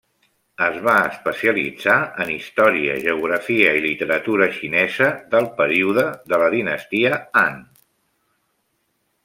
Es va especialitzar en història, geografia i literatura xinesa del període de la Dinastia Han.